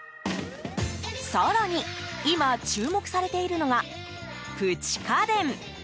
更に、今注目されているのがプチ家電。